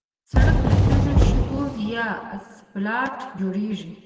سړک له تیږو، شګو یا اسفالت جوړېږي.